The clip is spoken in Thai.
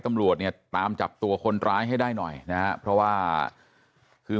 ตำรวจเนี่ยตามจับตัวคนร้ายให้ได้หน่อยนะฮะเพราะว่าคือ